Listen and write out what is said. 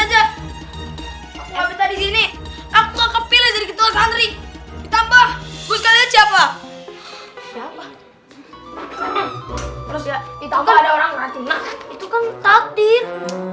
aja habis tadi sini aku kepilis ketua santri ditambah bos kalian siapa siapa itu kan takdir